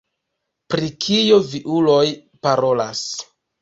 Pri kio vi uloj parolas?